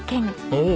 おお。